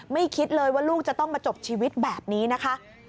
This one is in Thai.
คิดเลยว่าลูกจะต้องมาจบชีวิตแบบนี้นะคะ